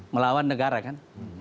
melawan negara kan